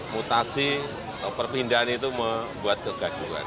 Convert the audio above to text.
mutasi atau perpindahan itu membuat kegaguan